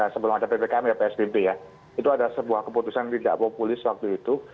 sebelum ada ppkm ya psbb ya itu ada sebuah keputusan yang tidak populis waktu itu